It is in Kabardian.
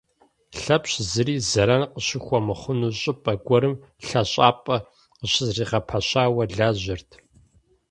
Лъэпщ зыри зэран къыщыхуэмыхъуну щӏыпӏэ гуэрым лъэщапӏэ къыщызэригъэпэщауэ лажьэрт.